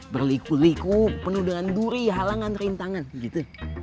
berliku liku penuh dengan duri halangan rintangan gitu